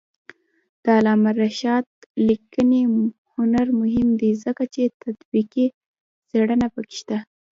د علامه رشاد لیکنی هنر مهم دی ځکه چې تطبیقي څېړنه پکې شته.